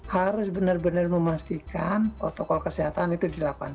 harus benar benar memastikan protokol kesehatan itu dilakukan